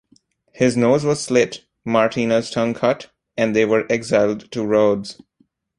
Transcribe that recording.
His nose was slit, Martina's tongue cut out and they were exiled to Rhodes.